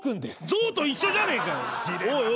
ぞうと一緒じゃねえかよ！